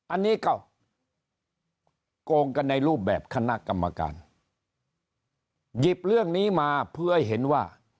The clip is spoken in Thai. อันนี้ก็โกงกันในรูปแบบคณะกรรมการหยิบเรื่องนี้มาเพื่อให้เห็นว่า